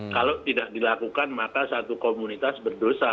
kalau tidak dilakukan maka satu komunitas berdosa